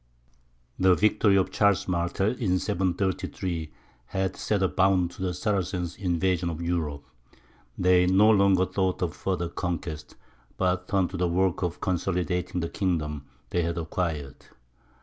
The victory of Charles Martel, in 733, had set a bound to the Saracens' invasion of Europe; they no longer thought of further conquest, but turned to the work of consolidating the kingdom they had acquired.